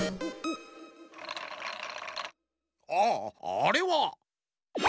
ああれは。